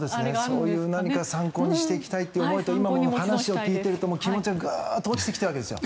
そういう何か参考にしていきたいという思いと今、話を聞いていると気持ちがグッと落ちてくるわけですよ。